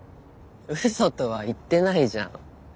ウソとは言ってないじゃん。